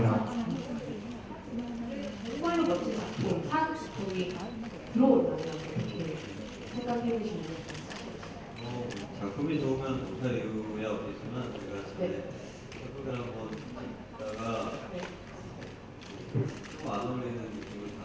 เพราะว่าเขาแค่มีความรู้สึกสนครวตนะคะว่า